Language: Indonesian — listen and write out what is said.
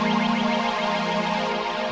tolong aku ke kemanusiaan cé